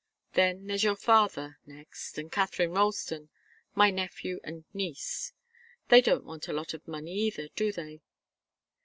Then there's your father, next, and Katharine Ralston my nephew and niece. They don't want a lot of money, either, do they?"